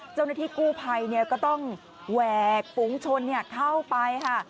เจ้าหน้าที่กู้ภัยเนี่ยก็ต้องแหวกปูงชนเนี่ยเข้าไปค่ะ